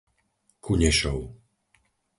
Kunešov